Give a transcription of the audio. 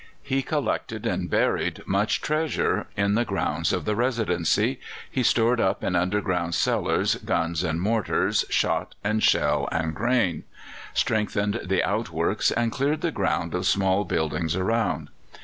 He collected and buried much treasure in the grounds of the Residency; he stored up in underground cellars guns and mortars, shot and shell and grain; strengthened the outworks, and cleared the ground of small buildings around.